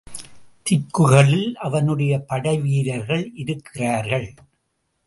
திக்குகளில் அவனுடைய படைவீரர்கள் இருக்கிறார்கள்.